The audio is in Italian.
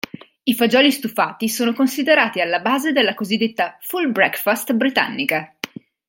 I fagioli stufati sono considerati alla base della cosiddetta "full breakfast" britannica.